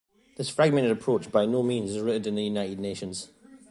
This fragmented approach by no means is rooted in the United Nations.